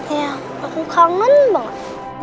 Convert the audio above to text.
iya aku kangen banget